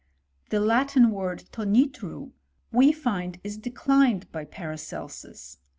The Latin word tonitru, we find is declined by Paracelsus.